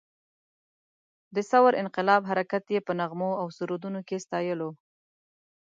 د ثور انقلاب حرکت یې په نغمو او سرودونو کې ستایلو.